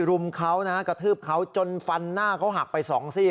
รุมเขานะฮะกระทืบเขาจนฟันหน้าเขาหักไปสองซี่